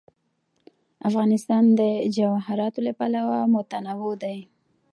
افغانستان د جواهرات له پلوه متنوع دی.